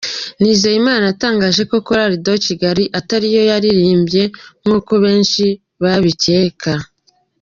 Nizeyimana yatangaje ko Chorale de Kigali atari yo yaririmbye nk’uko benshi babikeka.